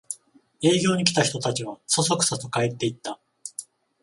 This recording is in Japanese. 営業に来た人たちはそそくさと帰っていった